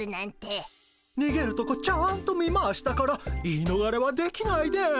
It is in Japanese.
にげるとこちゃんと見ましたから言い逃れはできないです。